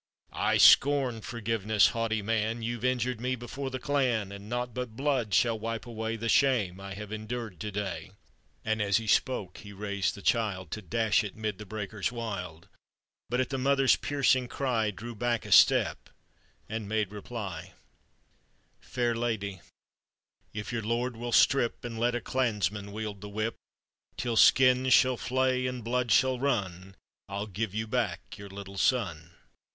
"1 scorn forgiveness, haughty man! You've injured me before the clan, And naught but blood shall wipe away The shame I have endured to day." And as he spoke he raised the child, To dash it 'mid the breakers wild, But at the mother's piercing cry, Drew back a step, and made reply : "Fair lady, if your lord will strip, And let a clansman wield the whip Till skin shall flay and blood shall run, I'll give you back your little son."